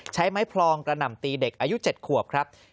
ใช้ไม้พลองกระหน่ำตีเด็กอายุ๗ขวบครับ